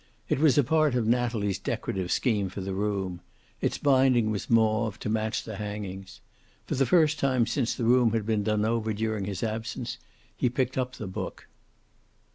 It was a part of Natalie's decorative scheme for the room; it's binding was mauve, to match the hangings. For the first time since the room had been done over during his absence he picked up the book.